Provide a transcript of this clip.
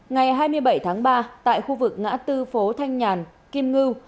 ngày hai mươi bảy tháng ba tại khu vực ngã tư phố thanh nhàn kim ngư